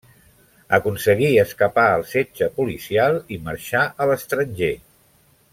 Aconseguí escapar al setge policial i marxà a l'estranger.